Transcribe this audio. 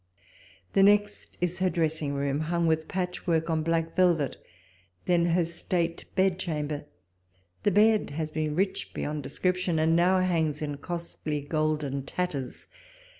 The next is her dressing room, hung with patch work on black velvet ; then her state bed chamber. Tiie bed has been rich beyond description, and now hangs in costly golden tatters.